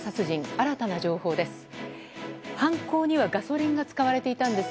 新たな情報です。